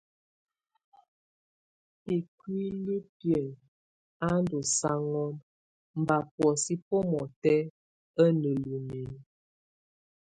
Bikúlibiŋ, á ndosaŋon mba buɔ́sɛ bomɔtɛk, a nálumin.